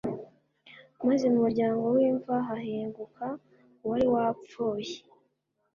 maze mu muryango w'imva hahinguka uwari wapfuye.